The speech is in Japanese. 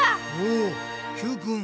おＱくん